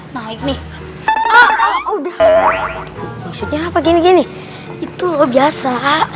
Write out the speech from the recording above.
naik nih udah maksudnya apa gini gini itu luar biasa